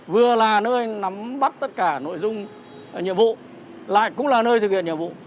vừa là nơi nắm bắt tất cả nội dung nhiệm vụ lại cũng là nơi thực hiện nhiệm vụ